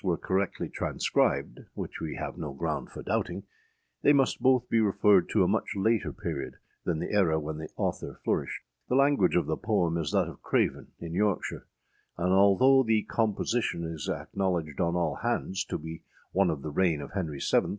were correctly transcribed, which we have no ground for doubting, they must both be referred to a much later period than the era when the author flourished. The language of the poem is that of Craven, in Yorkshire; and, although the composition is acknowledged on all hands to be one of the reign of Henry VII.